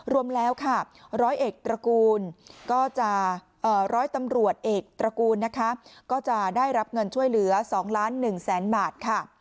รวมแล้วร้อยตำรวจเอกตระกูลจะได้รับเงินช่วยเหลือ๒๑๐๐๐๐๐บาท